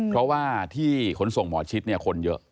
เพราะว่าที่ขนส่งหมอชิดเนี่ยคนเยอะ